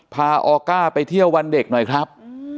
พาออก้าไปเที่ยววันเด็กหน่อยครับ